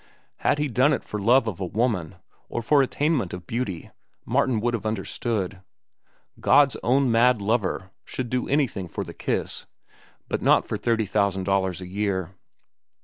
Had he done it for love of a woman, or for attainment of beauty, Martin would have understood. God's own mad lover should do anything for the kiss, but not for thirty thousand dollars a year.